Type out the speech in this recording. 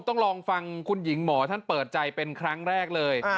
ต้องลองฟังคุณหญิงหมอท่านเปิดใจเป็นครั้งแรกเลย